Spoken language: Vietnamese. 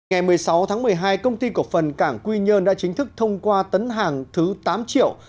ngày một mươi sáu tháng một mươi hai công ty cổ phần cảng quy nhơn đã chính thức thông qua tấn hàng thứ tám triệu